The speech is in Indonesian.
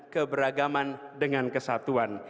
keberagaman dengan kesatuan